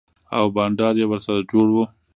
او بنډار يې ورسره جوړ و.